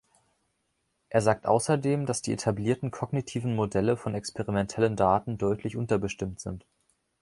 Er sagt außerdem, dass die etablierten kognitiven Modelle von experimentellen Daten deutlich unterbestimmt sind.